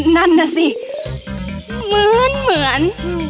นั่นน่ะสิเหมือน